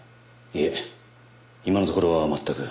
いえ今のところは全く。